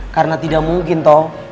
karena tidak mungkin toh